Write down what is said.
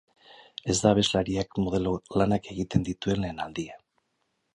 Ez da abeslariak modelo lanak egiten dituen lehen aldia.